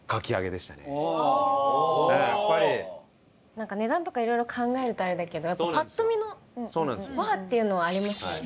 なんか値段とか色々考えるとあれだけどやっぱパッと見の「うわあ！」っていうのはありますよね。